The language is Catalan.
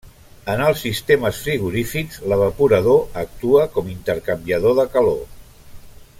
En els sistemes frigorífics l'evaporador actua com intercanviador de calor.